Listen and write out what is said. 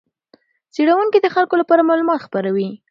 څېړونکي د خلکو لپاره معلومات خپروي.